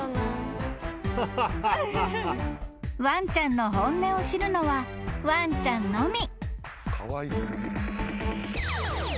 ［ワンちゃんの本音を知るのはワンちゃんのみ］